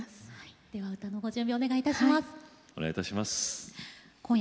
では歌のご準備をお願いいたします。